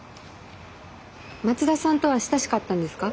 松田さんとは親しかったんですか？